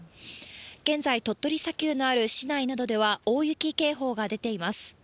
現在、鳥取砂丘のある市内などでは、大雪警報が出ています。